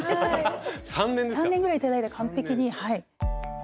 ３年ぐらいいただいたら完璧にはい。